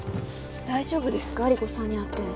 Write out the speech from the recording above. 大丈夫ですか理子さんに会って。